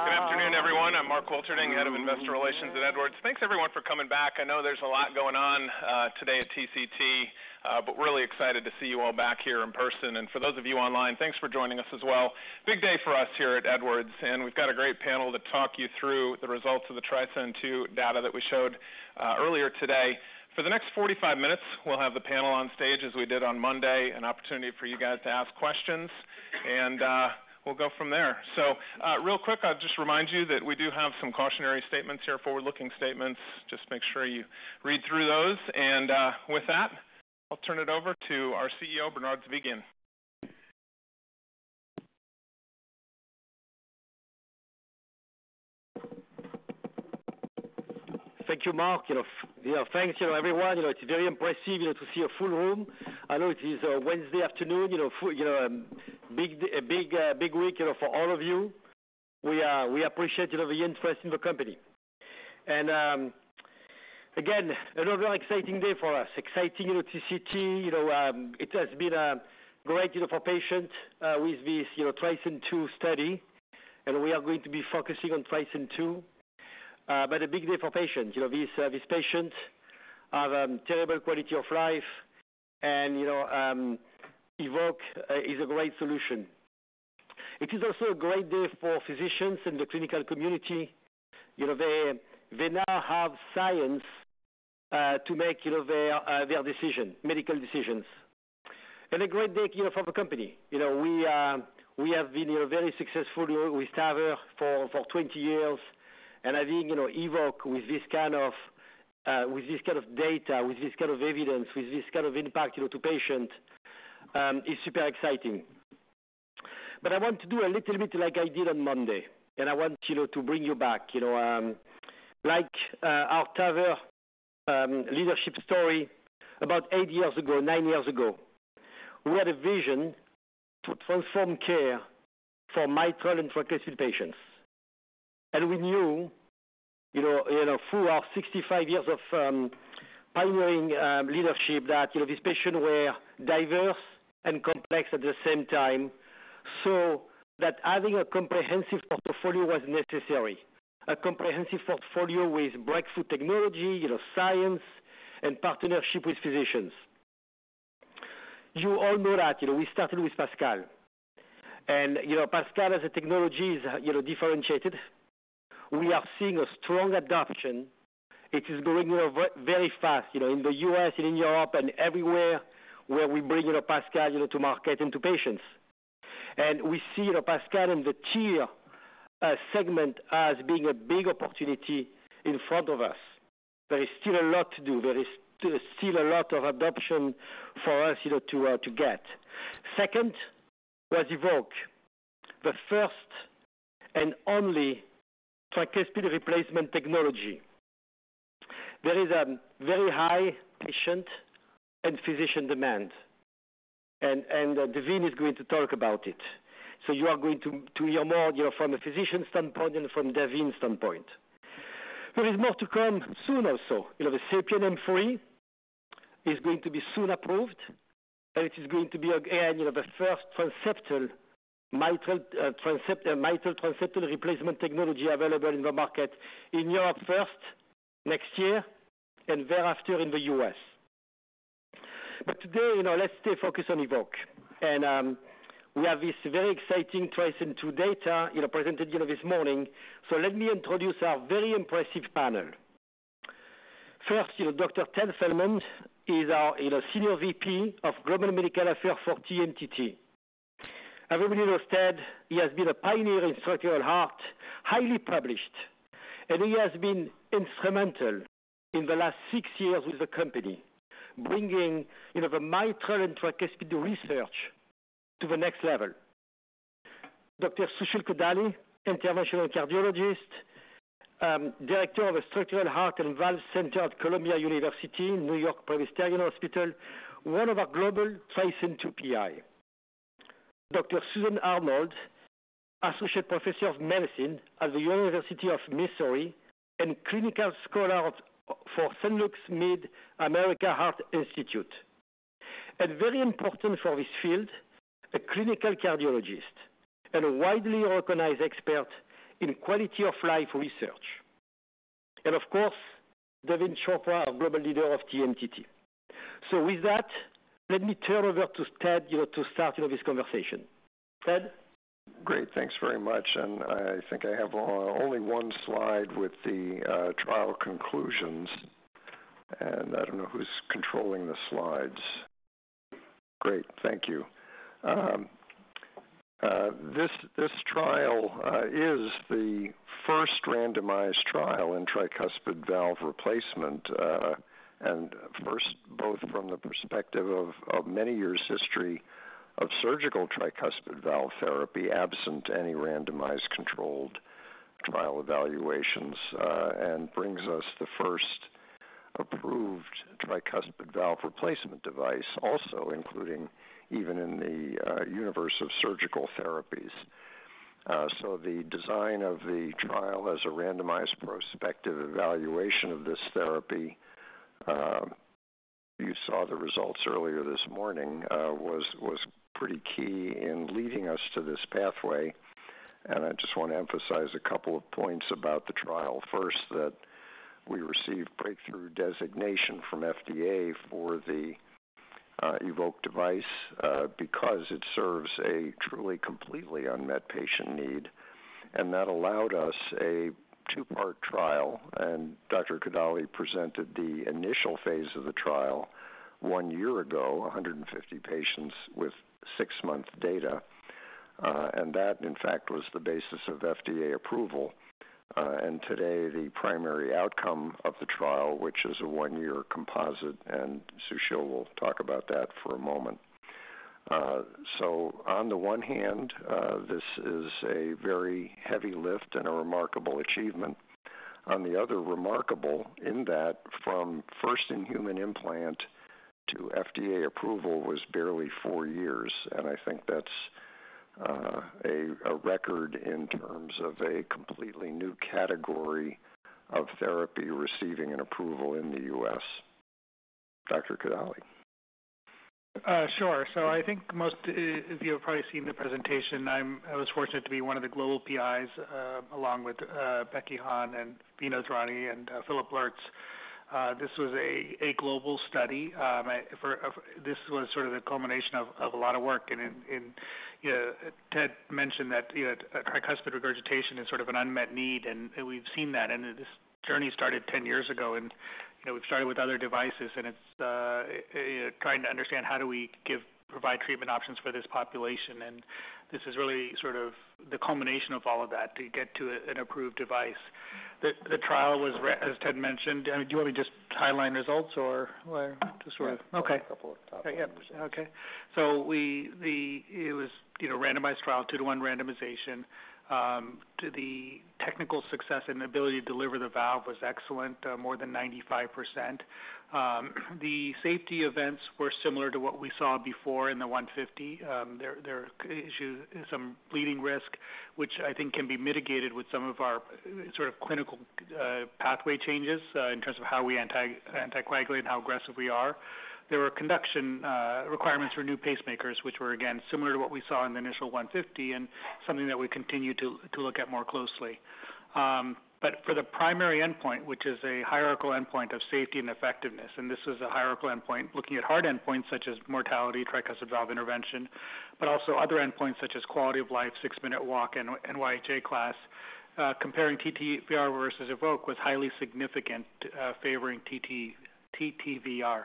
Good afternoon, everyone. I'm Mark Wilterding, Head of Investor Relations at Edwards. Thanks, everyone, for coming back. I know there's a lot going on today at TCT, but really excited to see you all back here in person. For those of you online, thanks for joining us as well. Big day for us here at Edwards, and we've got a great panel to talk you through the results of the TRISCEND II data that we showed earlier today. For the next 45 minutes, we'll have the panel on stage as we did on Monday, an opportunity for you guys to ask questions, and we'll go from there. So real quick, I'll just remind you that we do have some cautionary statements here, forward-looking statements. Just make sure you read through those. With that, I'll turn it over to our CEO, Bernard Zovighian. Thank you, Mark. Thanks, everyone. It's very impressive to see a full room. I know it is Wednesday afternoon, a big week for all of you. We appreciate the interest in the company, and again, another exciting day for us, exciting TCT. It has been great for patients with this TRISCEND II study, and we are going to be focusing on TRISCEND II, but a big day for patients. These patients have a terrible quality of life, and EVOQUE is a great solution. It is also a great day for physicians and the clinical community. They now have science to make their decisions, medical decisions, and a great day for the company. We have been very successful with TAVR for 20 years, and having EVOQUE with this kind of data, with this kind of evidence, with this kind of impact to patients is super exciting. But I want to do a little bit like I did on Monday, and I want to bring you back. Like our TMTT leadership story about eight years ago, nine years ago, we had a vision to transform care for mitral and tricuspid patients. And we knew through our 65 years of pioneering leadership that these patients were diverse and complex at the same time, so that having a comprehensive portfolio was necessary, a comprehensive portfolio with breakthrough technology, science, and partnership with physicians. You all know that we started with PASCAL. And PASCAL as a technology is differentiated. We are seeing a strong adoption. It is going very fast in the U.S. and in Europe and everywhere where we bring PASCAL to market and to patients. And we see PASCAL and the TR segment as being a big opportunity in front of us. There is still a lot to do. There is still a lot of adoption for us to get. Second was EVOQUE, the first and only tricuspid replacement technology. There is a very high patient and physician demand, and Daveen is going to talk about it. So you are going to hear more from a physician standpoint and from Daveen's standpoint. There is more to come soon also. The SAPIEN M3 is going to be soon approved, and it is going to be again the first mitral tricuspid replacement technology available in the market in Europe first next year and thereafter in the U.S. But today, let's stay focused on EVOQUE. And we have this very exciting TRISCEND II data presented this morning. So let me introduce our very impressive panel. First, Dr. Ted Feldman is our Senior VP of Global Medical Affairs for TMTT. Everybody knows Ted. He has been a pioneer in structural heart, highly published, and he has been instrumental in the last six years with the company, bringing the mitral and tricuspid research to the next level. Dr. Susheel Kodali, Interventional Cardiologist, Director of the Structural Heart and Valve Center at Columbia University, New York-Presbyterian Hospital, one of our global TRISCEND II PIs. Dr. Suzanne Arnold, Associate Professor of Medicine at the University of Missouri and Clinical Scholar for Saint Luke's Mid-America Heart Institute. And very important for this field, a clinical cardiologist and a widely recognized expert in quality of life research. And of course, Daveen Chopra, Global Leader of TMTT. So with that, let me turn over to Ted to start this conversation. Ted. Great. Thanks very much, and I think I have only one slide with the trial conclusions, and I don't know who's controlling the slides. Great. Thank you. This trial is the first randomized trial in tricuspid valve replacement, and first both from the perspective of many years' history of surgical tricuspid valve therapy, absent any randomized controlled trial evaluations, and brings us the first approved tricuspid valve replacement device, also including even in the universe of surgical therapies, so the design of the trial as a randomized prospective evaluation of this therapy, you saw the results earlier this morning, was pretty key in leading us to this pathway, and I just want to emphasize a couple of points about the trial. First, that we received breakthrough designation from FDA for the EVOQUE device because it serves a truly completely unmet patient need, and that allowed us a two-part trial. Dr. Kodali presented the initial phase of the trial one year ago, 150 patients with six-month data. And that, in fact, was the basis of FDA approval. And today, the primary outcome of the trial, which is a one-year composite, and Susheel will talk about that for a moment. So on the one hand, this is a very heavy lift and a remarkable achievement. On the other, remarkable in that from first-in-human implant to FDA approval was barely four years. And I think that's a record in terms of a completely new category of therapy receiving an approval in the U.S. Dr. Kodali. Sure. So I think most of you have probably seen the presentation. I was fortunate to be one of the global PIs along with Rebecca Hahn and Vinod Thourani and Philipp Lurz. This was a global study. This was sort of the culmination of a lot of work. And Ted mentioned that tricuspid regurgitation is sort of an unmet need, and we've seen that. And this journey started 10 years ago. And we've started with other devices, and it's trying to understand how do we provide treatment options for this population. And this is really sort of the culmination of all of that to get to an approved device. The trial was, as Ted mentioned, do you want me to just highlight results or just sort of a couple of topics? Yeah. Okay. So it was a randomized trial, two-to-one randomization. The technical success and ability to deliver the valve was excellent, more than 95%. The safety events were similar to what we saw before in the 150. There is some bleeding risk, which I think can be mitigated with some of our sort of clinical pathway changes in terms of how we anticoagulate and how aggressive we are. There were conduction requirements for new pacemakers, which were, again, similar to what we saw in the initial 150 and something that we continue to look at more closely. But for the primary endpoint, which is a hierarchical endpoint of safety and effectiveness, and this was a hierarchical endpoint looking at hard endpoints such as mortality, tricuspid valve intervention, but also other endpoints such as quality of life, six-minute walk, and NYHA class, comparing TTVR versus EVOQUE was highly significant, favoring TTVR.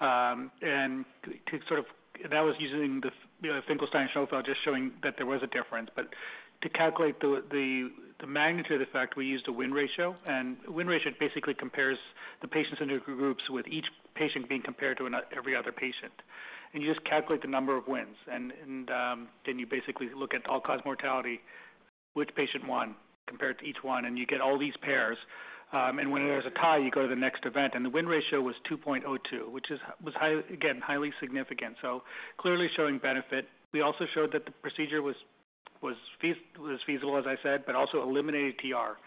And that was using the Finkelstein-Schoenfeld, just showing that there was a difference. But to calculate the magnitude of the effect, we used a win ratio. And win ratio basically compares the patients in the groups with each patient being compared to every other patient. And you just calculate the number of wins. And then you basically look at all-cause mortality, which patient won compared to each one, and you get all these pairs. And when there's a tie, you go to the next event. And the win ratio was 2.02, which was, again, highly significant. So clearly showing benefit. We also showed that the procedure was feasible, as I said, but also eliminated TR.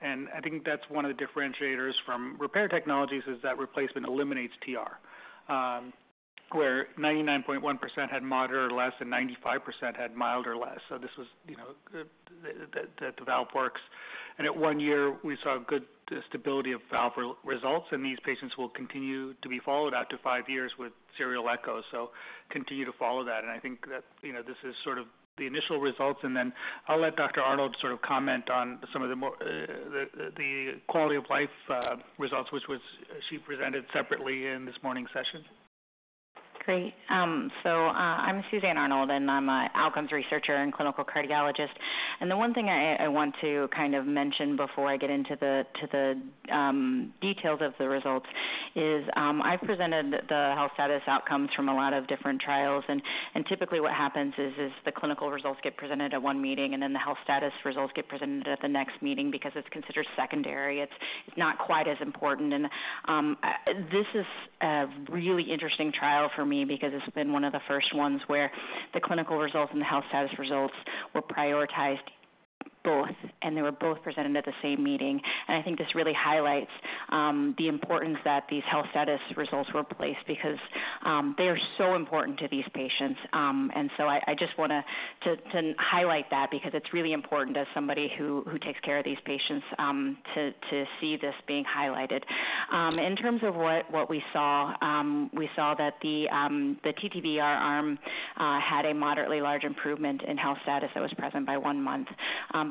And I think that's one of the differentiators from repair technologies is that replacement eliminates TR, where 99.1% had moderate or less and 95% had mild or less. So this was that the valve works. And at one year, we saw good stability of valve results. And these patients will continue to be followed out to five years with serial echos. So continue to follow that. And I think that this is sort of the initial results. And then I'll let Dr. Arnold sort of comment on some of the quality of life results, which she presented separately in this morning's session. Great. So I'm Suzanne Arnold, and I'm an outcomes researcher and clinical cardiologist. And the one thing I want to kind of mention before I get into the details of the results is I've presented the health status outcomes from a lot of different trials. And typically, what happens is the clinical results get presented at one meeting, and then the health status results get presented at the next meeting because it's considered secondary. It's not quite as important. And this is a really interesting trial for me because it's been one of the first ones where the clinical results and the health status results were prioritized both, and they were both presented at the same meeting. And I think this really highlights the importance that these health status results were placed because they are so important to these patients. And so I just want to highlight that because it's really important as somebody who takes care of these patients to see this being highlighted. In terms of what we saw, we saw that the TTVR arm had a moderately large improvement in health status that was present by one month.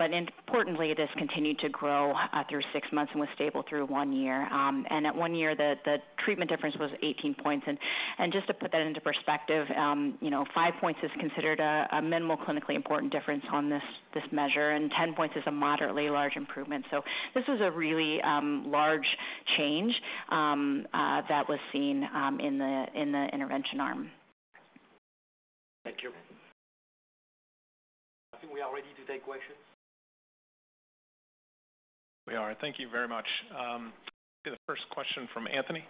But importantly, this continued to grow through six months and was stable through one year. And at one year, the treatment difference was 18 points. And just to put that into perspective, 5 points is considered a minimal clinically important difference on this measure, and 10 points is a moderately large improvement. So this was a really large change that was seen in the intervention arm. Thank you. I think we are ready to take questions. We are. Thank you very much. The first question from Anthony.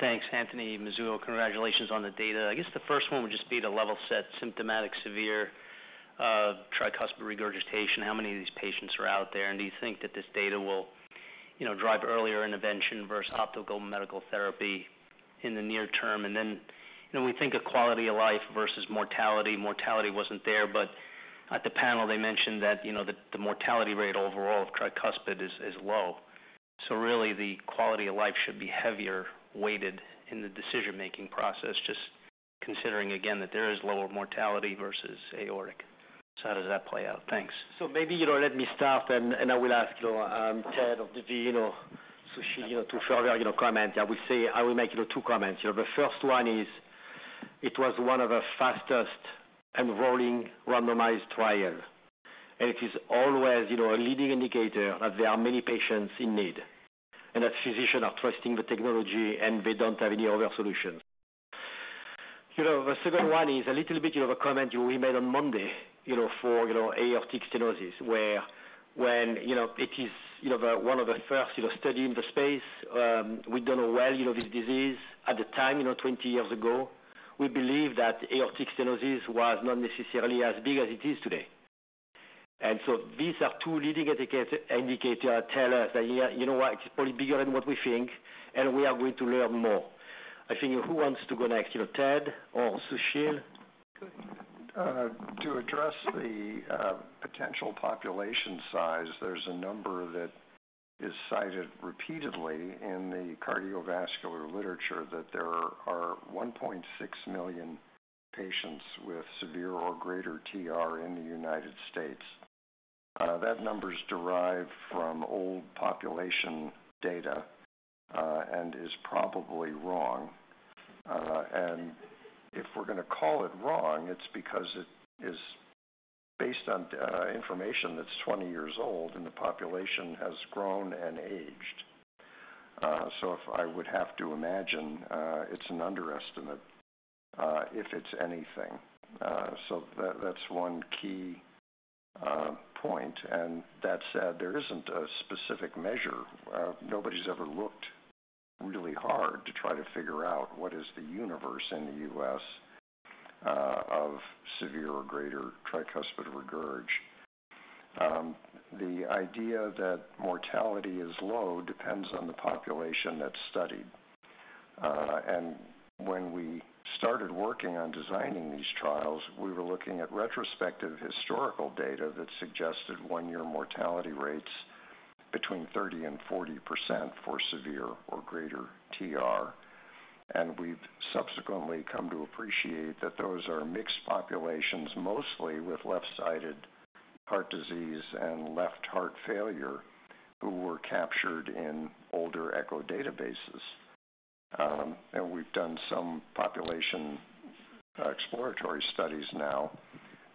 Thanks, Anthony Petrone. Congratulations on the data. I guess the first one would just be to level set symptomatic severe tricuspid regurgitation. How many of these patients are out there? And do you think that this data will drive earlier intervention versus optimal medical therapy in the near term? And then we think of quality of life versus mortality. Mortality wasn't there, but at the panel, they mentioned that the mortality rate overall of tricuspid is low. So really, the quality of life should be more heavily weighted in the decision-making process, just considering, again, that there is lower mortality versus aortic. So how does that play out? Thanks. So maybe let me start, and I will ask Ted, or Daveen, or Susheel to further your comment. I will make two comments. The first one is it was one of the fastest enrolling randomized trials. And it is always a leading indicator that there are many patients in need and that physicians are trusting the technology and they don't have any other solutions. The second one is a little bit of a comment we made on Monday for aortic stenosis, where when it is one of the first studies in the space, we don't know well this disease. At the time, 20 years ago, we believed that aortic stenosis was not necessarily as big as it is today. And so these are two leading indicators that tell us that it's probably bigger than what we think, and we are going to learn more. I think who wants to go next? Ted or Susheel? To address the potential population size, there's a number that is cited repeatedly in the cardiovascular literature that there are 1.6 million patients with severe or greater TR in the United States. That number is derived from old population data and is probably wrong. And if we're going to call it wrong, it's because it is based on information that's 20 years old, and the population has grown and aged. So I would have to imagine it's an underestimate if it's anything. So that's one key point. And that said, there isn't a specific measure. Nobody's ever looked really hard to try to figure out what is the universe in the U.S. of severe or greater tricuspid regurgitation. The idea that mortality is low depends on the population that's studied. When we started working on designing these trials, we were looking at retrospective historical data that suggested one-year mortality rates between 30%-40% for severe or greater TR. We've subsequently come to appreciate that those are mixed populations, mostly with left-sided heart disease and left heart failure, who were captured in older echo databases. We've done some population exploratory studies now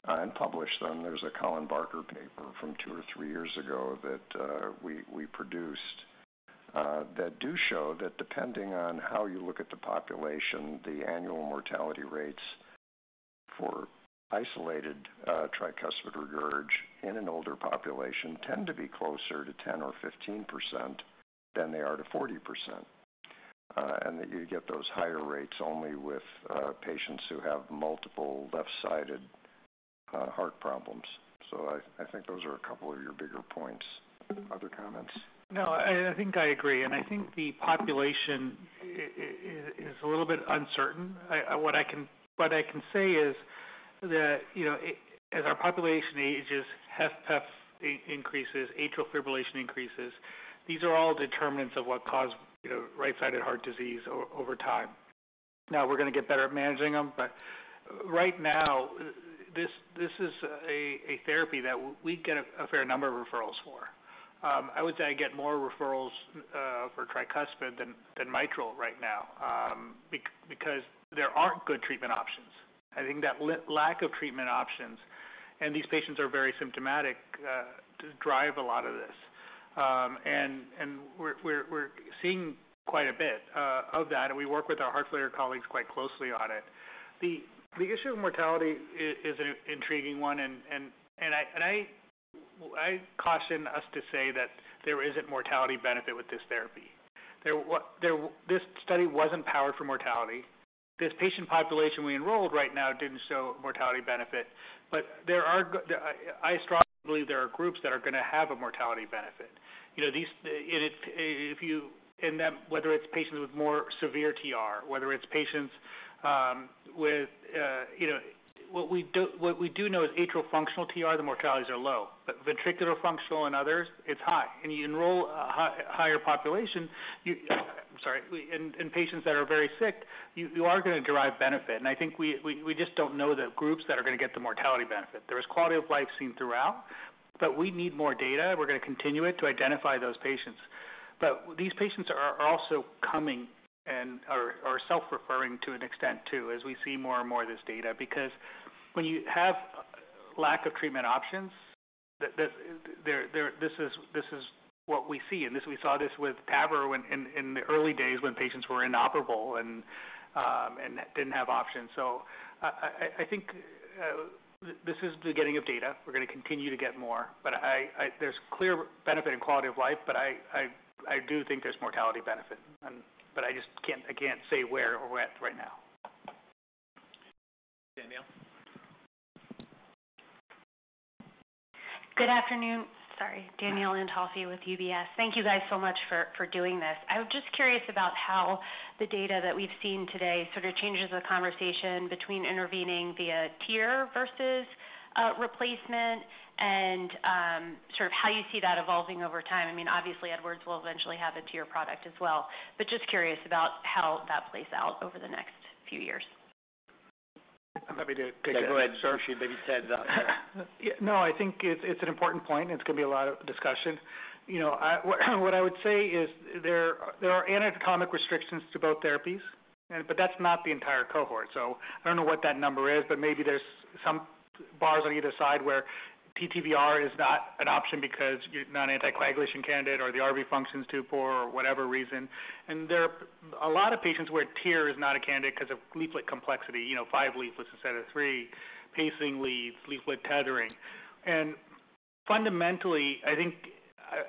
and published them. There's a Colin Barker paper from two or three years ago that we produced that do show that depending on how you look at the population, the annual mortality rates for isolated tricuspid regurg in an older population tend to be closer to 10% or 15% than they are to 40%. You get those higher rates only with patients who have multiple left-sided heart problems. I think those are a couple of your bigger points. Other comments? No, I think I agree, and I think the population is a little bit uncertain. What I can say is that as our population ages, HFpEF increases, atrial fibrillation increases, these are all determinants of what cause right-sided heart disease over time. Now, we're going to get better at managing them, but right now, this is a therapy that we get a fair number of referrals for. I would say I get more referrals for tricuspid than mitral right now because there aren't good treatment options. I think that lack of treatment options and these patients are very symptomatic drive a lot of this. And we're seeing quite a bit of that, and we work with our heart failure colleagues quite closely on it. The issue of mortality is an intriguing one, and I caution us to say that there isn't mortality benefit with this therapy. This study wasn't powered for mortality. This patient population we enrolled right now didn't show mortality benefit, but I strongly believe there are groups that are going to have a mortality benefit. Whether it's patients with more severe TR, whether it's patients with what we do know is atrial functional TR, the mortalities are low, but ventricular functional and others, it's high, and you enroll a higher population in patients that are very sick, you are going to derive benefit, and I think we just don't know the groups that are going to get the mortality benefit. There is quality of life seen throughout, but we need more data. We're going to continue it to identify those patients, but these patients are also coming and are self-referring to an extent too as we see more and more of this data. Because when you have lack of treatment options, this is what we see. And we saw this with TAVR in the early days when patients were inoperable and didn't have options. So I think this is the beginning of data. We're going to continue to get more. But there's clear benefit in quality of life, but I do think there's mortality benefit. But I can't say where or at right now. Thank you, Danielle. Good afternoon. Sorry, Danielle and Tulsi with UBS. Thank you guys so much for doing this. I'm just curious about how the data that we've seen today sort of changes the conversation between intervening via TEER versus replacement and sort of how you see that evolving over time. I mean, obviously, Edwards will eventually have a TEER product as well. But just curious about how that plays out over the next few years. I'm happy to take that. Yeah, go ahead, Susheel. Maybe Ted's up. Yeah. No, I think it's an important point. It's going to be a lot of discussion. What I would say is there are anatomic restrictions to both therapies, but that's not the enTEERe cohort. So I don't know what that number is, but maybe there's some bars on either side where TTVR is not an option because you're not an anticoagulation candidate or the RV function is too poor or whatever reason. And there are a lot of patients where TEER is not a candidate because of leaflet complexity, five leaflets instead of three, pacing leads, leaflet tethering. And fundamentally, I think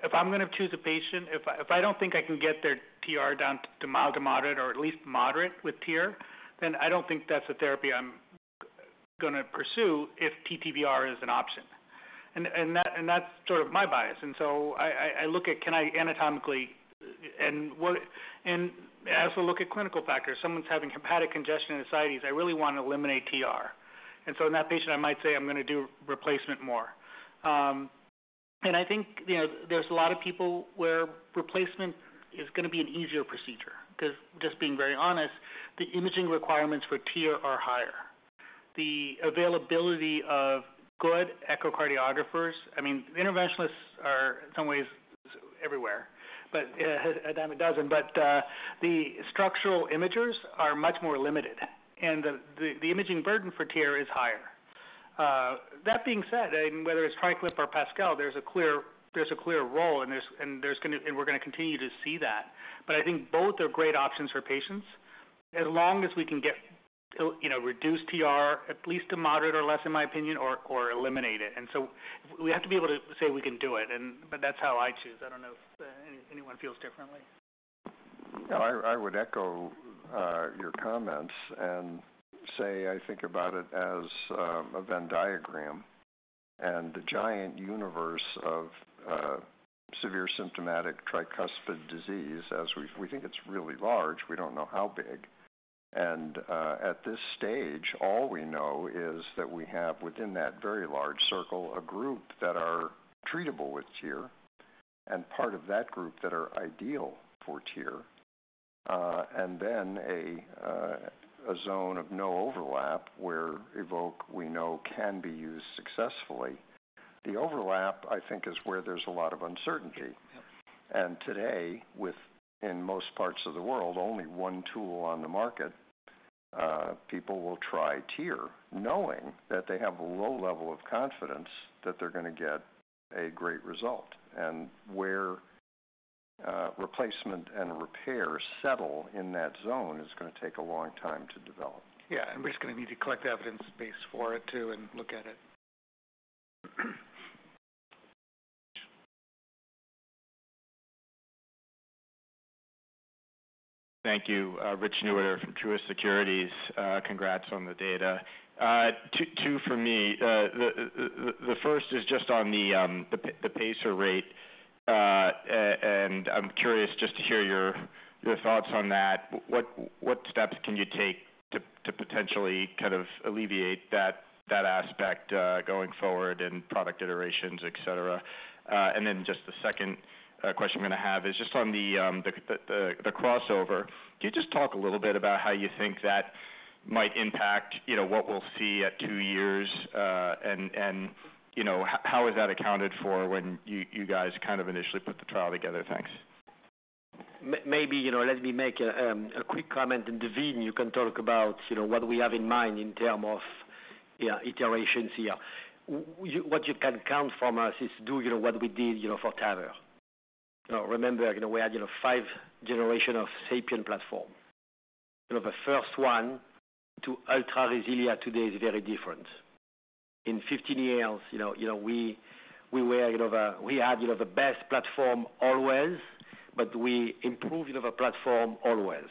if I'm going to choose a patient, if I don't think I can get their TR down to mild to moderate or at least moderate with TEER, then I don't think that's a therapy I'm going to pursue if TTVR is an option. That's sort of my bias. So I look at can I anatomically and I also look at clinical factors. Someone's having hepatic congestion and ascites. I really want to eliminate TR. So in that patient, I might say I'm going to do replacement more. I think there's a lot of people where replacement is going to be an easier procedure because just being very honest, the imaging requirements for TEER are higher. The availability of good echocardiographers. I mean, interventionalists are in some ways everywhere, but a dime a dozen. The structural imagers are much more limited, and the imaging burden for TEER is higher. That being said, whether it's TriClip or PASCAL, there's a clear role, and we're going to continue to see that. But I think both are great options for patients as long as we can reduce TR at least to moderate or less, in my opinion, or eliminate it. And so we have to be able to say we can do it, but that's how I choose. I don't know if anyone feels differently. Yeah, I would echo your comments and say I think about it as a Venn diagram and the giant universe of severe symptomatic tricuspid disease. We think it's really large. We don't know how big. And at this stage, all we know is that we have within that very large circle a group that are treatable with TEER and part of that group that are ideal for TEER and then a zone of no overlap where EVOQUE we know can be used successfully. The overlap, I think, is where there's a lot of uncertainty. And today, within most parts of the world, only one tool on the market, people will try TEER knowing that they have a low level of confidence that they're going to get a great result. And where replacement and repair settle in that zone is going to take a long time to develop. Yeah, and we're just going to need to collect evidence base for it too and look at it. Thank you. Richard Newitter from Truist Securities. Congrats on the data. Two for me. The first is just on the pacer rate. And I'm curious just to hear your thoughts on that. What steps can you take to potentially kind of alleviate that aspect going forward and product iterations, etc.? And then just the second question I'm going to have is just on the crossover. Can you just talk a little bit about how you think that might impact what we'll see at two years? And how is that accounted for when you guys kind of initially put the trial together? Thanks. Maybe let me make a quick comment, and Daveen, you can talk about what we have in mind in terms of iterations here. What you can count from us is do what we did for TAVR. Remember, we had five generations of SAPIEN platform. The first one to our Resilia today is very different. In 15 years, we had the best platform always, but we improved the platform always,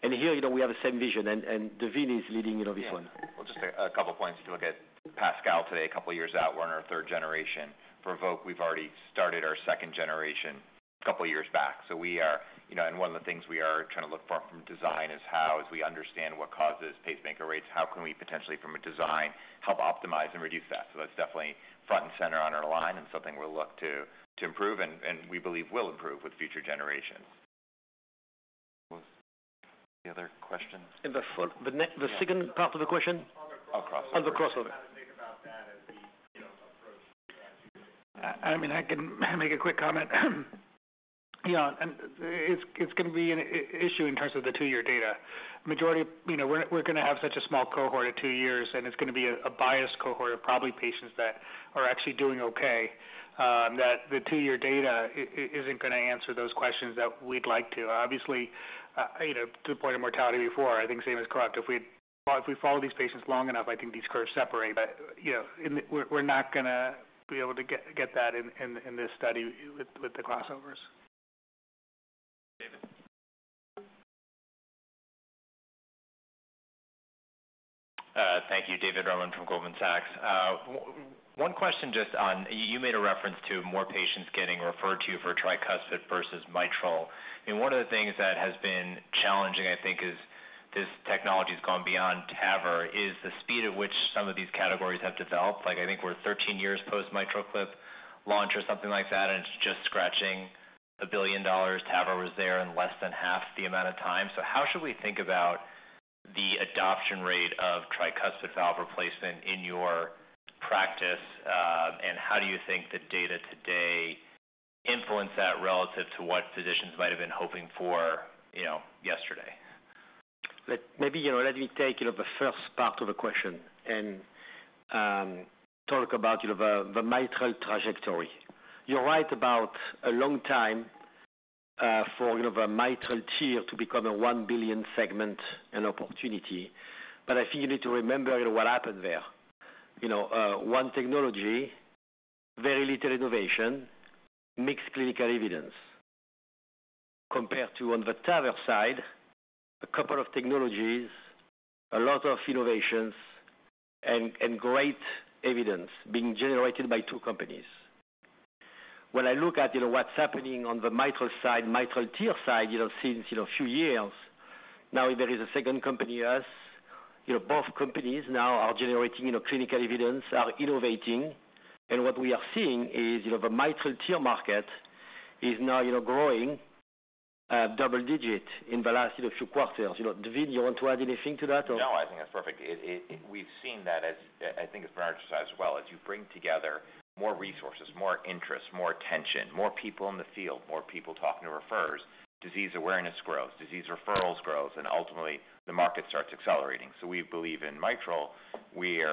and here, we have the same vision, and Daveen is leading this one. Yeah. Well, just a couple of points. If you look at PASCAL today, a couple of years out, we're on our third generation. For EVOQUE, we've already started our second generation a couple of years back. So we are and one of the things we are trying to look for from design is how, as we understand what causes pacemaker rates, how can we potentially from a design help optimize and reduce that? So that's definitely front and center on our line and something we'll look to improve and we believe will improve with future generations. The other questions? The second part of the question? Oh, crossover. Oh, the crossover. I think about that as we approach the end. I mean, I can make a quick comment. It's going to be an issue in terms of the two-year data. We're going to have such a small cohort at two years, and it's going to be a biased cohort of probably patients that are actually doing okay that the two-year data isn't going to answer those questions that we'd like to. Obviously, to the point of mortality benefit, I think same as before. If we follow these patients long enough, I think these curves separate. But we're not going to be able to get that in this study with the crossovers. David. Thank you, David Roman from Goldman Sachs. One question just on you made a reference to more patients getting referred to you for tricuspid versus mitral. I mean, one of the things that has been challenging, I think, is this technology has gone beyond TAVR is the speed at which some of these categories have developed. I think we're 13 years post-MitraClip launch or something like that, and it's just scratching $1 billion. TAVR was there in less than half the amount of time. So how should we think about the adoption rate of tricuspid valve replacement in your practice? And how do you think the data today influence that relative to what physicians might have been hoping for yesterday? Maybe let me take the first part of the question and talk about the mitral trajectory. You're right about a long time for the mitral TEER to become a $1 billion segment and opportunity. But I think you need to remember what happened there. One technology, very little innovation, mixed clinical evidence compared to on the TAVR side, a couple of technologies, a lot of innovations, and great evidence being generated by two companies. When I look at what's happening on the mitral side, mitral TEER side since a few years, now there is a second company. Both companies now are generating clinical evidence, are innovating. And what we are seeing is the mitral TEER market is now growing double digit in the last few quarters. Daveen, you want to add anything to that? No, I think that's perfect. We've seen that, I think, as far as you bring together more resources, more interest, more attention, more people in the field, more people talking to referrers, disease awareness grows, disease referrals grows, and ultimately, the market starts accelerating. So we believe in mitral, we're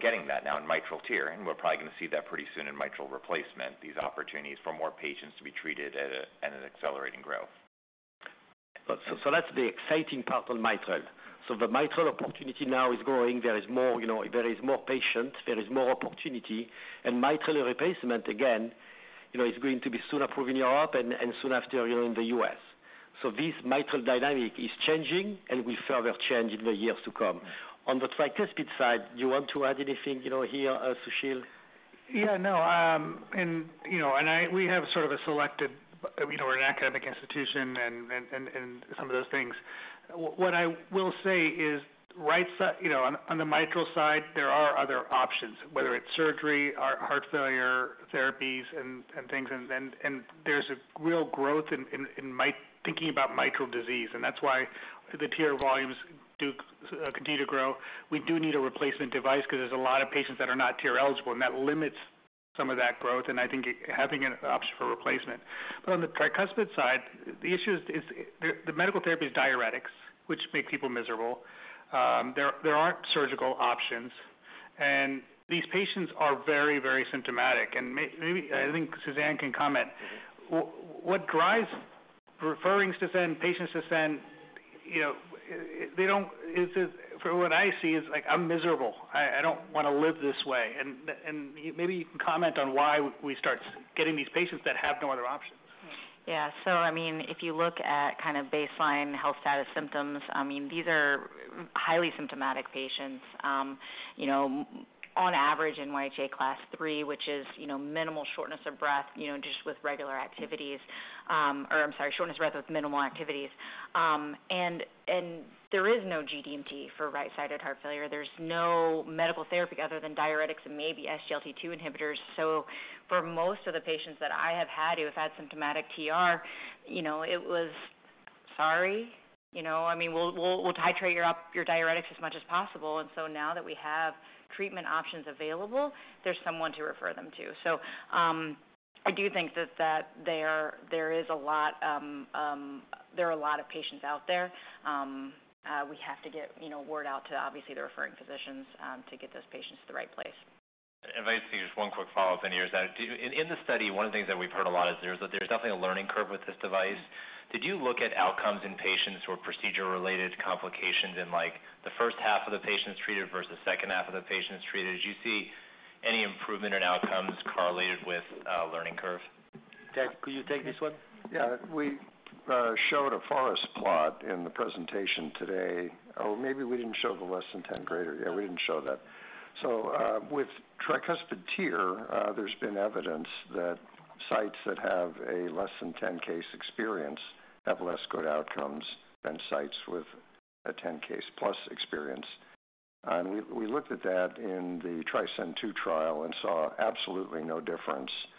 getting that now in mitral TEER, and we're probably going to see that pretty soon in mitral replacement, these opportunities for more patients to be treated and an accelerating growth. So that's the exciting part on mitral. So the mitral opportunity now is growing. There is more patients. There is more opportunity. And mitral replacement, again, is going to be soon approved in Europe and soon after in the U.S. So this mitral dynamic is changing and will further change in the years to come. On the tricuspid side, do you want to add anything here, Susheel? Yeah, no. And we have sort of a selected we're an academic institution and some of those things. What I will say is on the mitral side, there are other options, whether it's surgery, heart failure therapies, and things. And there's a real growth in thinking about mitral disease. And that's why the TEER volumes continue to grow. We do need a replacement device because there's a lot of patients that are not TEER eligible, and that limits some of that growth. And I think having an option for replacement. But on the tricuspid side, the issue is the medical therapy is diuretics, which make people miserable. There aren't surgical options. And these patients are very, very symptomatic. And maybe I think Suzanne can comment. What drives referrals to send, patients to send, for what I see is like, "I'm miserable. I don't want to live this way," and maybe you can comment on why we start getting these patients that have no other options. Yeah. So I mean, if you look at kind of baseline health status symptoms, I mean, these are highly symptomatic patients. On average, NYHA class III, which is minimal shortness of breath just with regular activities or I'm sorry, shortness of breath with minimal activities. And there is no GDMT for right-sided heart failure. There's no medical therapy other than diuretics and maybe SGLT2 inhibitors. So for most of the patients that I have had who have had symptomatic TEER, it was, "Sorry. I mean, we'll titrate your diuretics as much as possible." And so now that we have treatment options available, there's someone to refer them to. So I do think that there are a lot of patients out there. We have to get word out to obviously the referring physicians to get those patients to the right place. If I could just have one quick follow-up here. In the study, one of the things that we've heard a lot is there's definitely a learning curve with this device. Did you look at outcomes and procedure-related complications in the first half of the patients treated versus the second half of the patients treated? Did you see any improvement in outcomes correlated with learning curve? Ted, could you take this one? Yeah. We showed a forest plot in the presentation today. Oh, maybe we didn't show the less than 10-case. Yeah, we didn't show that. So with tricuspid TEER, there's been evidence that sites that have a less than 10-case experience have less good outcomes than sites with a 10-case-plus experience. And we looked at that in the TRISCEND II trial and saw absolutely no difference in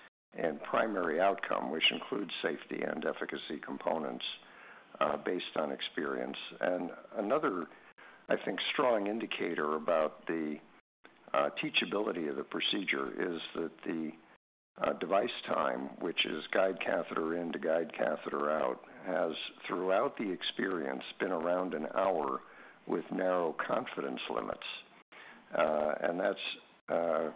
primary outcome, which includes safety and efficacy components based on experience. And another, I think, strong indicator about the teachability of the procedure is that the device time, which is guide catheter in to guide catheter out, has throughout the experience been around an hour with narrow confidence limits. And that's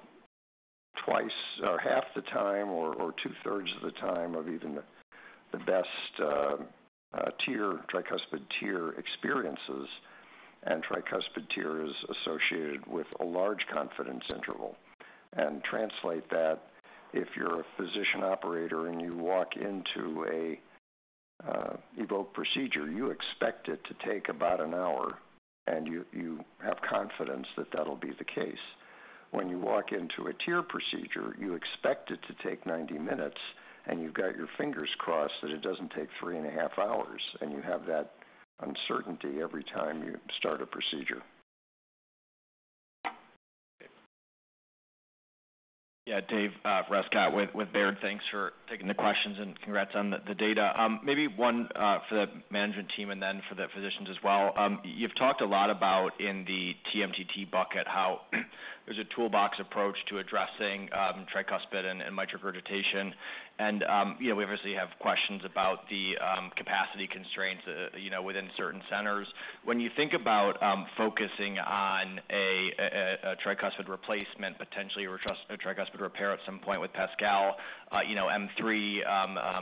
twice or half the time or two-thirds of the time of even the best tricuspid TEER experiences. And tricuspid TEER is associated with a large confidence interval. And translate that. If you're a physician operator and you walk into an EVOQUE procedure, you expect it to take about an hour, and you have confidence that that'll be the case. When you walk into a TEER procedure, you expect it to take 90 minutes, and you've got your fingers crossed that it doesn't take three and a half hours, and you have that uncertainty every time you start a procedure. Yeah. David Rescott with Baird, thanks for taking the questions and congrats on the data. Maybe one for the management team and then for the physicians as well. You've talked a lot about in the TMTT bucket how there's a toolbox approach to addressing tricuspid and mitral regurgitation. And we obviously have questions about the capacity constraints within certain centers. When you think about focusing on a tricuspid replacement, potentially a tricuspid repair at some point with PASCAL, M3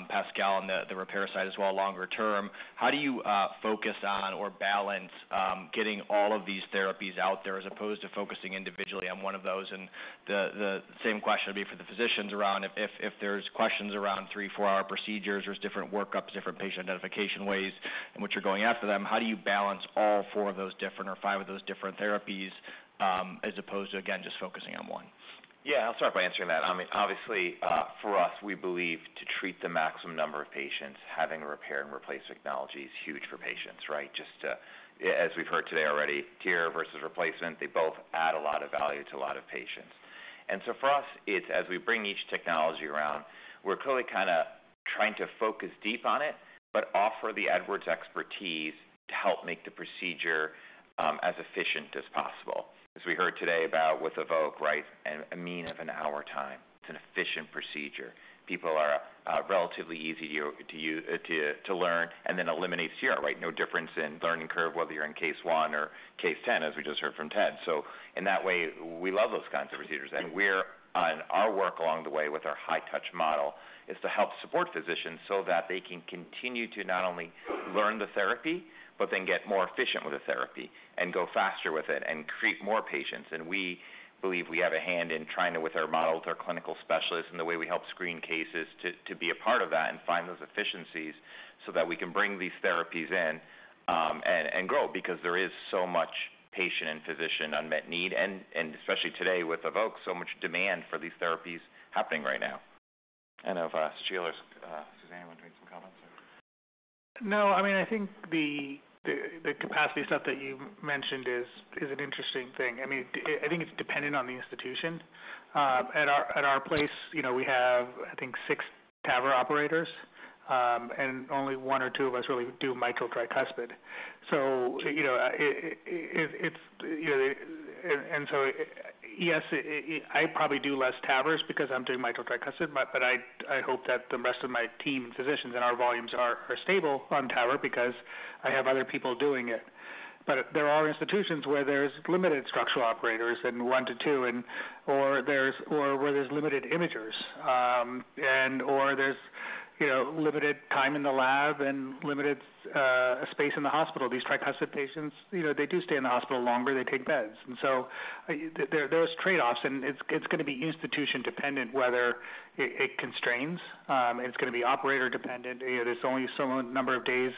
PASCAL on the repair side as well longer term, how do you focus on or balance getting all of these therapies out there as opposed to focusing individually on one of those? And the same question would be for the physicians around if there's questions around three or four-hour procedures. There's different workups, different patient identification ways in which you're going after them. How do you balance all four of those different or five of those different therapies as opposed to, again, just focusing on one? Yeah. I'll start by answering that. I mean, obviously, for us, we believe to treat the maximum number of patients, having a repair and replace technology is huge for patients, right? Just as we've heard today already, TEER versus replacement, they both add a lot of value to a lot of patients. And so for us, it's as we bring each technology around, we're clearly kind of trying to focus deep on it, but offer the Edwards expertise to help make the procedure as efficient as possible. As we heard today about with EVOQUE, right? A mean of an hour time. It's an efficient procedure. People are relatively easy to learn and then eliminate TEER, right? No difference in learning curve, whether you're in case one or case ten, as we just heard from Ted. So in that way, we love those kinds of procedures. And our work along the way with our high-touch model is to help support physicians so that they can continue to not only learn the therapy, but then get more efficient with the therapy and go faster with it and treat more patients. We believe we have a hand in trying to, with our model, with our clinical specialists and the way we help screen cases, to be a part of that and find those efficiencies so that we can bring these therapies in and grow because there is so much patient and physician unmet need, and especially today with EVOQUE, so much demand for these therapies happening right now. I don't know if Susheel or Suzanne want to make some comments. No. I mean, I think the capacity stuff that you mentioned is an interesting thing. I mean, I think it's dependent on the institution. At our place, we have, I think, six TAVR operators, and only one or two of us really do mitral tricuspid. So it's and so, yes, I probably do less TAVRs because I'm doing mitral tricuspid, but I hope that the rest of my team and physicians and our volumes are stable on TAVR because I have other people doing it. But there are institutions where there's limited structural operators and one to two, or where there's limited imagers, and/or there's limited time in the lab and limited space in the hospital. These tricuspid patients, they do stay in the hospital longer. They take beds. And so there's trade-offs, and it's going to be institution-dependent whether it constrains. It's going to be operator-dependent. So many number of hours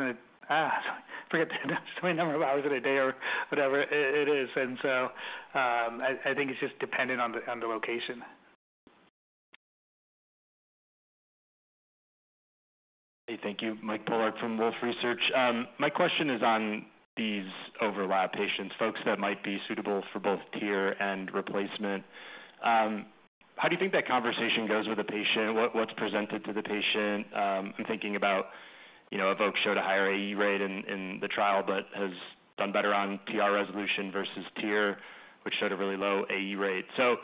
in a day or whatever it is. And so I think it's just dependent on the location. Hey, thank you. Mike Polark from Wolfe Research. My question is on these overlap patients, folks that might be suitable for both TEER and replacement. How do you think that conversation goes with the patient? What's presented to the patient? I'm thinking about EVOQUE showed a higher AE rate in the trial, but has done better on TEER resolution versus TEER, which showed a really low AE rate. So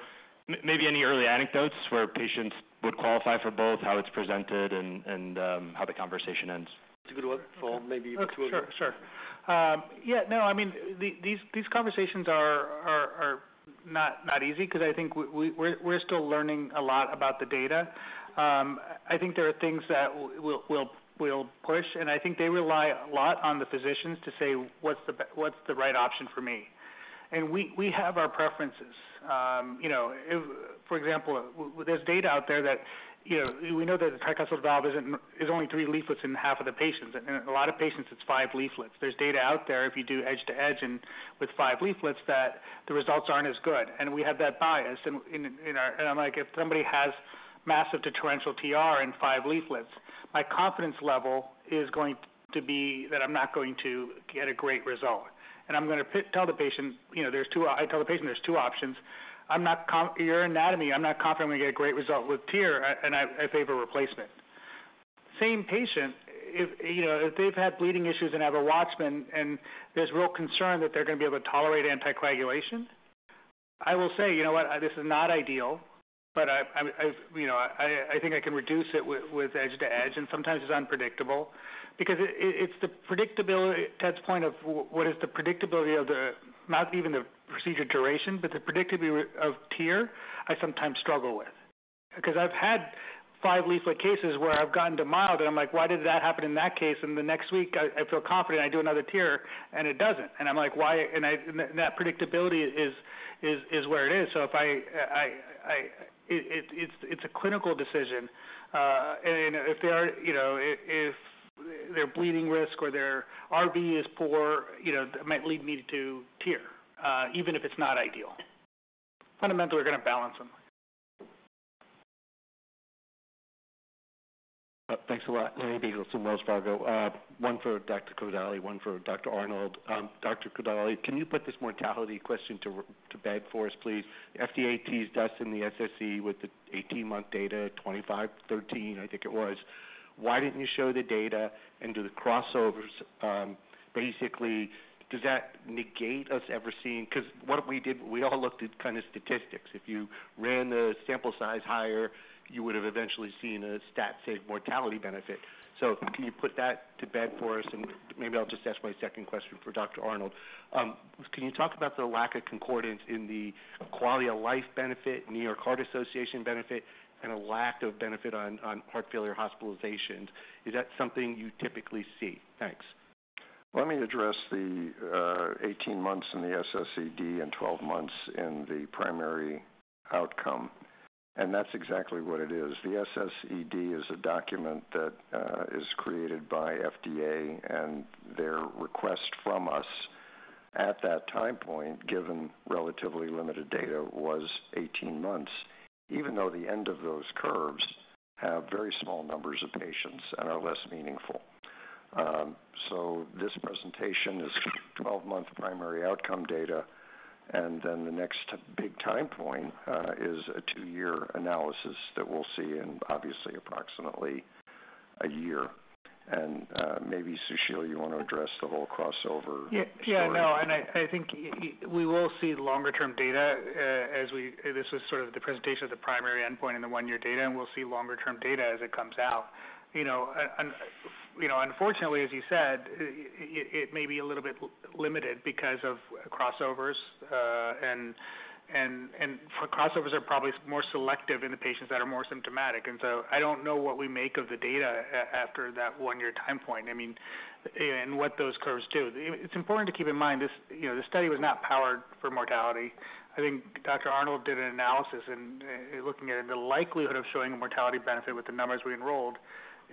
maybe any early anecdotes where patients would qualify for both, how it's presented, and how the conversation ends. That's a good one for maybe two others. Sure. Sure. Yeah. No, I mean, these conversations are not easy because I think we're still learning a lot about the data. I think there are things that we'll push, and I think they rely a lot on the physicians to say, "What's the right option for me?" And we have our preferences. For example, there's data out there that we know that the tricuspid valve is only three leaflets in half of the patients. And in a lot of patients, it's five leaflets. There's data out there, if you do edge-to-edge and with five leaflets, that the results aren't as good. And we have that bias. And I'm like, "If somebody has massive detrimental TEER and five leaflets, my confidence level is going to be that I'm not going to get a great result." And I'm going to tell the patient, I tell the patient, "There's two options. Your anatomy, I'm not confident I'm going to get a great result with TEER, and I favor replacement." Same patient, if they've had bleeding issues and have a WATCHMAN and there's real concern that they're going to be able to tolerate anticoagulation, I will say, "You know what? This is not ideal, but I think I can reduce it with edge-to-edge." Sometimes it's unpredictable because it's the predictability, Ted's point of what is the predictability of the, not even the procedure duration, but the predictability of TEER. I sometimes struggle with. Because I've had five leaflet cases where I've gotten to mild, and I'm like, "Why did that happen in that case?" The next week, I feel confident I do another TEER, and it doesn't. I'm like, "Why?" That predictability is where it is, so it's a clinical decision. If they're bleeding risk or their RV is poor, it might lead me to TEER, even if it's not ideal. Fundamentally, we're going to balance them. Thanks a lot. Larry Biegelsen from Wells Fargo. One for Dr. Kodali, one for Dr. Arnold. Dr. Kodali, can you put this mortality question to bed for us, please? FDA teased us in the SSED with the 18-month data, 25, 13, I think it was. Why didn't you show the data and do the crossovers? Basically, does that negate us ever seeing? Because what we did, we all looked at kind of statistics. If you ran the sample size higher, you would have eventually seen a stat sig mortality benefit. So can you put that to bed for us? And maybe I'll just ask my second question for Dr. Arnold. Can you talk about the lack of concordance in the quality of life benefit, New York Heart Association benefit, and a lack of benefit on heart failure hospitalizations? Is that something you typically see? Thanks. Let me address the 18 months in the SSED and 12 months in the primary outcome, and that's exactly what it is. The SSED is a document that is created by FDA, and their request from us at that time point, given relatively limited data, was 18 months, even though the end of those curves have very small numbers of patients and are less meaningful, so this presentation is 12-month primary outcome data, and then the next big time point is a two-year analysis that we'll see in obviously approximately a year, and maybe Susheel, you want to address the whole crossover? Yeah. No. And I think we will see longer-term data as we. This was sort of the presentation of the primary endpoint in the one-year data, and we'll see longer-term data as it comes out. Unfortunately, as you said, it may be a little bit limited because of crossovers. And crossovers are probably more selective in the patients that are more symptomatic. And so I don't know what we make of the data after that one-year time point, I mean, and what those curves do. It's important to keep in mind this study was not powered for mortality. I think Dr. Arnold did an analysis and looking at the likelihood of showing a mortality benefit with the numbers we enrolled,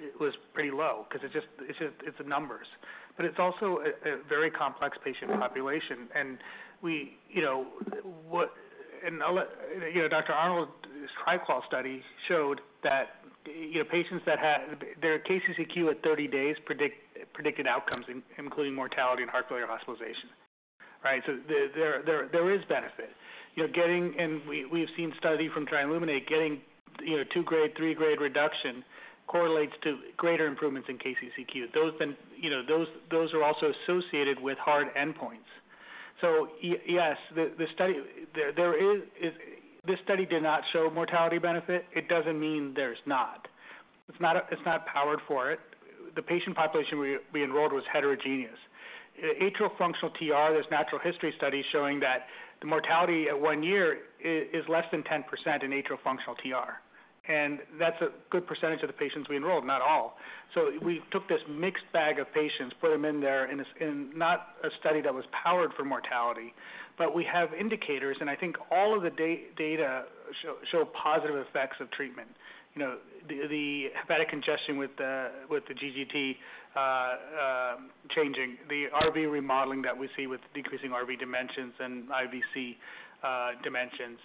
it was pretty low because it's the numbers. But it's also a very complex patient population. And Dr. Arnold's TRI-QUAL study showed that patients that had their KCCQ score at 30 days predicted outcomes, including mortality and heart failure hospitalization, right? So there is benefit. And we've seen study from TRILUMINATE, getting two-grade, three-grade reduction correlates to greater improvements in KCCQ score. Those are also associated with hard endpoints. So yes, this study did not show mortality benefit. It doesn't mean there's not. It's not powered for it. The patient population we enrolled was heterogeneous. Atrial functional TR, there's natural history studies showing that the mortality at one year is less than 10% in atrial functional TR. And that's a good percentage of the patients we enrolled, not all. So we took this mixed bag of patients, put them in there in not a study that was powered for mortality, but we have indicators. And I think all of the data show positive effects of treatment. The hepatic congestion with the GGT changing, the RV remodeling that we see with decreasing RV dimensions and IVC dimensions,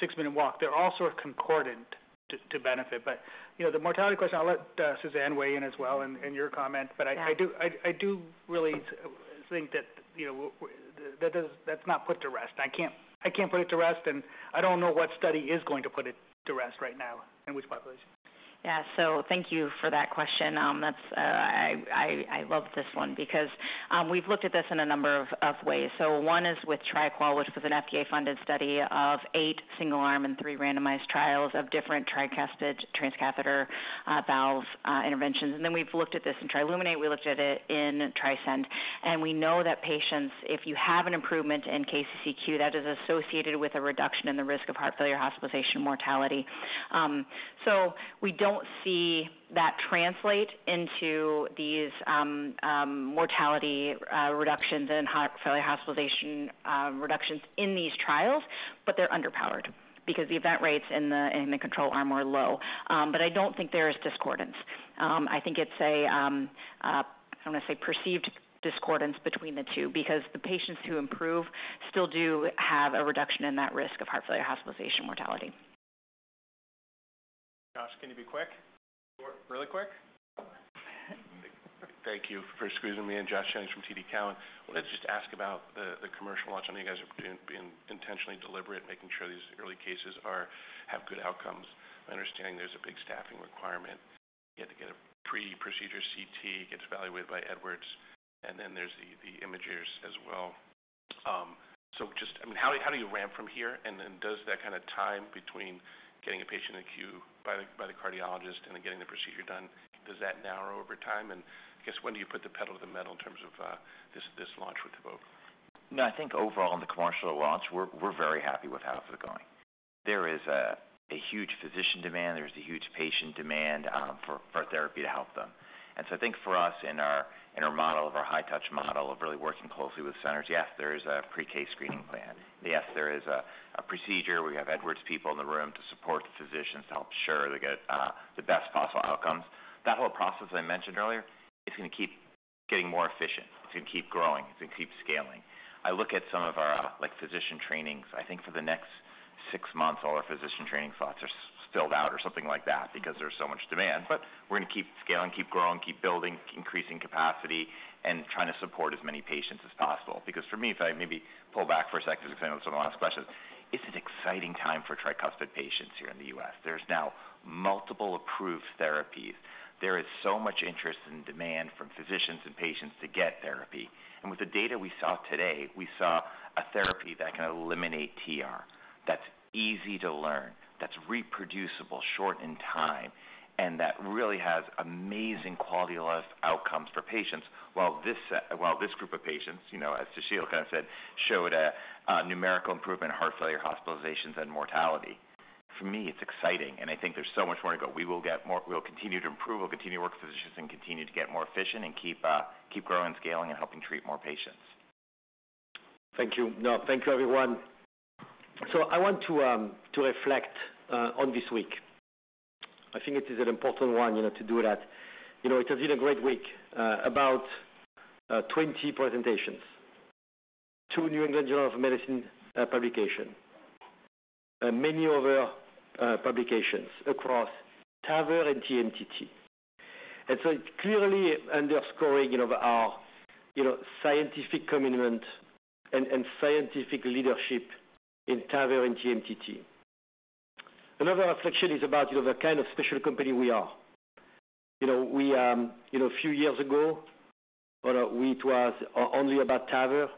six-minute walk, they're all sort of concordant to benefit. But the mortality question, I'll let Suzanne weigh in as well and your comment. But I do really think that that's not put to rest. I can't put it to rest, and I don't know what study is going to put it to rest right now in which population. Yeah. So thank you for that question. I love this one because we've looked at this in a number of ways. So one is with TRI-QUAL, which was an FDA-funded study of eight single-arm and three randomized trials of different tricuspid transcatheter valve interventions. And then we've looked at this in TRILUMINATE. We looked at it in TRISCEND. And we know that patients, if you have an improvement in KCCQ acute, that is associated with a reduction in the risk of heart failure hospitalization mortality. So we don't see that translate into these mortality reductions and heart failure hospitalization reductions in these trials, but they're underpowered because the event rates in the control arm were low. But I don't think there is discordance. I think it's, I don't want to say perceived discordance between the two because the patients who improve still do have a reduction in that risk of heart failure hospitalization mortality. Josh, can you be quick? Really quick? Thank you for squeezing me in. Josh Chang from TD Cowen. I wanted to just ask about the commercial launch. I know you guys are being intentionally deliberate, making sure these early cases have good outcomes. My understanding there's a big staffing requirement. You have to get a pre-procedure CT, get evaluated by Edwards, and then there's the imagers as well. So just, I mean, how do you ramp from here? And then does that kind of time between getting a patient in a queue by the cardiologist and then getting the procedure done, does that narrow over time? And I guess, when do you put the pedal to the metal in terms of this launch with EVOQUE? No, I think overall in the commercial launch, we're very happy with how things are going. There is a huge physician demand. There's a huge patient demand for therapy to help them. And so I think for us in our model, of our high-touch model of really working closely with centers, yes, there is a pre-case screening plan. Yes, there is a procedure. We have Edwards people in the room to support the physicians to help ensure they get the best possible outcomes. That whole process I mentioned earlier, it's going to keep getting more efficient. It's going to keep growing. It's going to keep scaling. I look at some of our physician trainings. I think for the next six months, all our physician training slots are filled out or something like that because there's so much demand. But we're going to keep scaling, keep growing, keep building, increasing capacity, and trying to support as many patients as possible. Because for me, if I maybe pull back for a second because I know it's one of the last questions, it's an exciting time for tricuspid patients here in the U.S. There's now multiple approved therapies. There is so much interest and demand from physicians and patients to get therapy. And with the data we saw today, we saw a therapy that can eliminate TEER. That's easy to learn. That's reproducible short in time, and that really has amazing quality of life outcomes for patients. While this group of patients, as Susheel kind of said, showed a numerical improvement in heart failure hospitalizations and mortality, for me, it's exciting. And I think there's so much more to go. We will continue to improve. We'll continue to work with physicians and continue to get more efficient and keep growing and scaling and helping treat more patients. Thank you. No, thank you, everyone. So I want to reflect on this week. I think it is an important one to do that. It has been a great week, about 20 presentations, two New England Journal of Medicine publications, many other publications across TAVR and TMTT. And so it's clearly underscoring our scientific commitment and scientific leadership in TAVR and TMTT. Another reflection is about the kind of special company we are. A few years ago, it was only about TAVR.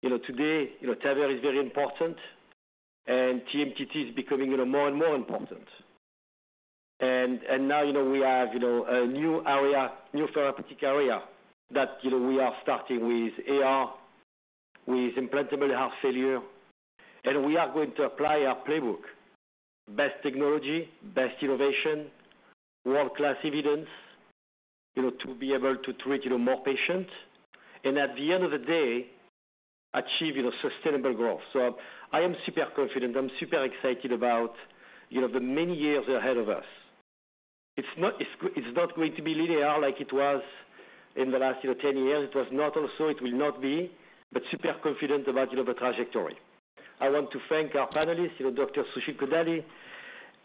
Today, TAVR is very important, and TMTT is becoming more and more important. And now we have a new area, new therapeutic area that we are starting with AR, with implantable heart failure. And we are going to apply our playbook, best technology, best innovation, world-class evidence to be able to treat more patients, and at the end of the day, achieve sustainable growth. So I am super confident. I'm super excited about the many years ahead of us. It's not going to be linear like it was in the last 10 years. It was not also. It will not be. But super confident about the trajectory. I want to thank our panelists, Dr. Susheel Kodali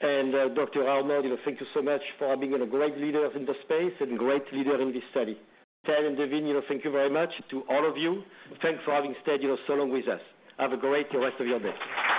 and Dr. Suzanne Arnold. Thank you so much for being great leaders in the space and great leaders in this study. Ted and Daveen, thank you very much to all of you. Thanks for having stayed so long with us. Have a great rest of your day.